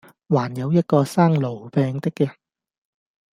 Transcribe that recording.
還有一個生癆病的人，